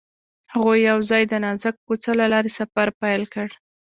هغوی یوځای د نازک کوڅه له لارې سفر پیل کړ.